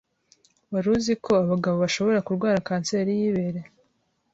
Wari uzi ko abagabo bashobora kurwara kanseri y'ibere?